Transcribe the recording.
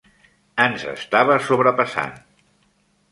Ens estava sobrepassant.